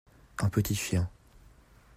Un petit chien.